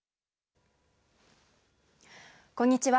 こんにちは。